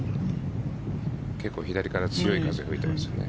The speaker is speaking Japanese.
結構左から強い風が吹いていますね。